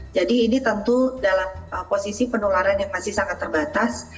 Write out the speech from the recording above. jadi ini tentu dalam posisi penularan yang masih sangat terbatas